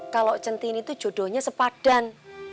kalau centini itu jodohnya sepadan